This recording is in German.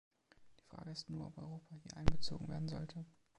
Die Frage ist nur, ob Europa hier einbezogen werden sollte.